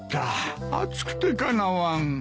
暑くてかなわん。